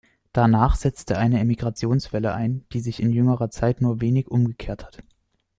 Danach setzte eine Emigrationswelle ein, die sich in jüngerer Zeit nur wenig umgekehrt hat.